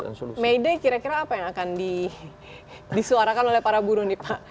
may day kira kira apa yang akan disuarakan oleh para buruh nih pak